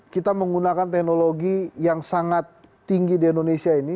kita menggunakan teknologi yang sangat tinggi di indonesia ini